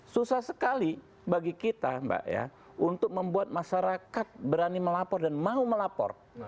susah sekali bagi kita mbak ya untuk membuat masyarakat berani melapor dan mau melapor